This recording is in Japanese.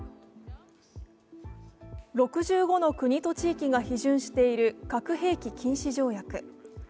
６５の国と地域が批准している核兵器禁止条約。